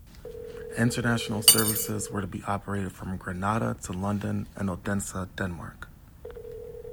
International services were to be operated from Granada to London and Odense, Denmark.